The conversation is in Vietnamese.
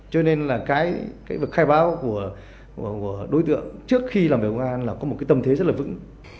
cho nên là cái khai báo của đối tượng trước khi làm biểu an là có một cái tâm thế rất là vững